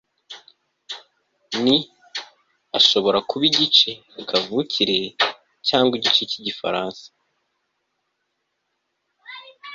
ni ashobora kuba igice kavukire, cyangwa igice cyigifaransa